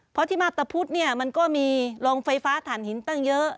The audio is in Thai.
เพราะที่มาพตะพุธเนี่ยมันก็มีโรงไฟฟ้าฐานหินตั้งเยอะ